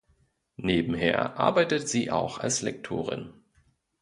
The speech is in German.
Nebenher arbeitet sie auch als Lektorin.